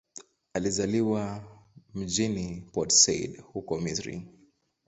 Alizaliwa mjini Port Said, huko Misri.